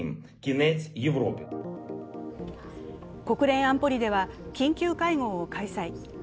国連安保理では緊急会合を開催。